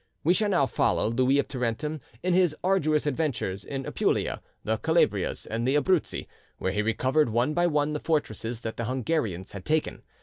We shall now follow Louis of Tarentum in his arduous adventures in Apulia, the Calabrias, and the Abruzzi, where he recovered one by one the fortresses that the Hungarians had taken.